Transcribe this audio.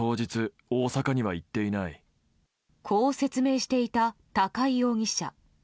こう説明していた高井容疑者。